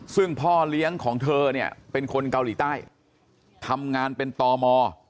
ซึ่งพ่อเลี้ยงของเธอเนี่ยเป็นคนเกาหลีใต้ทำงานเป็นตม